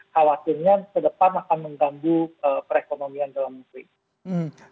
khawatirnya ke depan akan mengganggu perekonomian dalam negeri